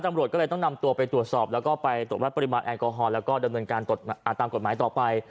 ตำรวจก็เลยต้องนำตัวไปตรวจสอบแล้วก็ไปตรวจวัดปริมาณแอลกอฮอลแล้วก็ดำเนินการตามกฎหมายต่อไป